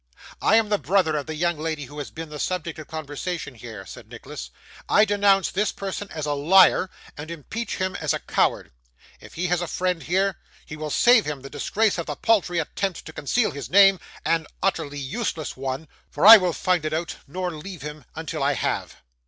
'I am the brother of the young lady who has been the subject of conversation here,' said Nicholas. 'I denounce this person as a liar, and impeach him as a coward. If he has a friend here, he will save him the disgrace of the paltry attempt to conceal his name and utterly useless one for I will find it out, nor leave him until I have.